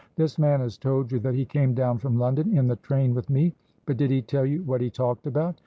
This man has told you that he came down from London in the train with me; but did he tell you what he talked about?